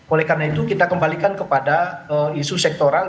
oleh karena itu kita kembalikan kepada isu sektoral